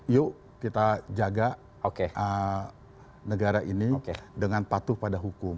yuk kita jaga negara ini dengan patuh pada hukum